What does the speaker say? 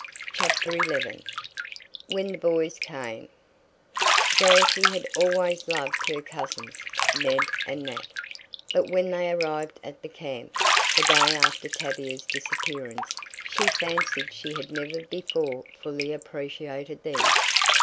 CHAPTER XI WHEN THE BOYS CAME Dorothy had always loved her cousins, Ned and Nat, but when they arrived at the camp, the day after Tavia's disappearance, she fancied she had never before fully appreciated them.